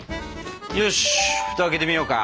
よし蓋開けてみようか。